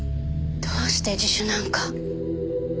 どうして自首なんか。